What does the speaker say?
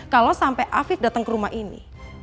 kalau sampai afif datang ke rumah ini